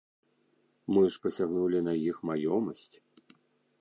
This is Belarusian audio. Мы ж пасягнулі на іх маёмасць.